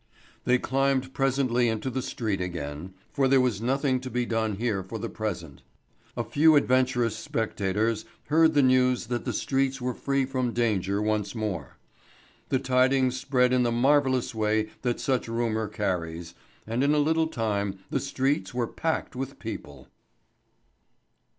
They climbed presently into the street again, for there was nothing to be done here for the present. A few adventurous spectators heard the news that the streets were free from danger once more. The tidings spread in the marvellous way that such rumour carries, and in a little time the streets were packed with people.